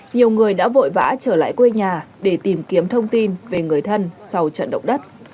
nhiều người đã vội vã trở lại quê nhà để tìm kiếm thông tin về người thân sau trận động đất